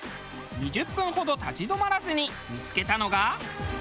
２０分ほど立ち止まらずに見付けたのが。